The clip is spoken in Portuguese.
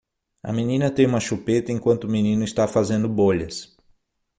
A menina tem uma chupeta enquanto o menino está fazendo bolhas